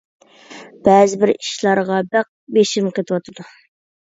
بەزىبىر ئىشلارغا بەك بېشىم قېتىۋاتىدۇ.